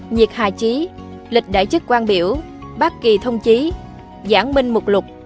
nhiệt hà chí lịch đại chức quang biểu bác kỳ thông chí giảng minh mục lục